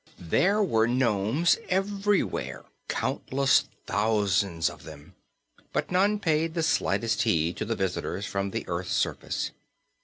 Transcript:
There were nomes everywhere countless thousands of them but none paid the slightest heed to the visitors from the earth's surface.